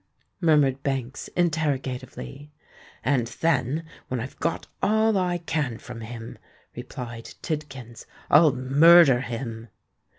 murmured Banks, interrogatively. "And then—when I've got all I can from him," replied Tidkins, "_I'll murder him!